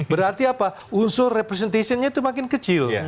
berarti apa unsur representationnya itu makin kecil